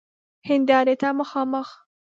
هیندارې ته مخامخ